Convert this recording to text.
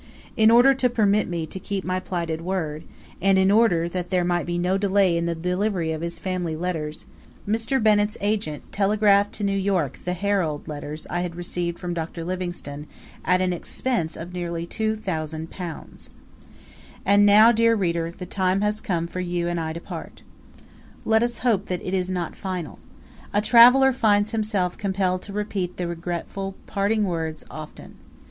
In order to permit me to keep my plighted word, and in order that there might be no delay in the delivery of his family letters, Mr. Bennett's agent telegraphed to New York the 'Herald' letters I had received from Dr. Livingstone at an expense of nearly £2,000. And now, dear reader, the time has come for you and I to part. Let us hope that it is not final. A traveller finds himself compelled to repeat the regretful parting word often.